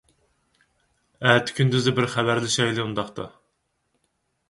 ئەتە كۈندۈزدە بىر خەۋەرلىشەيلى ئۇنداقتا.